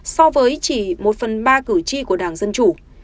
so với chỉ một phần ba cử tri của đảng dân chủ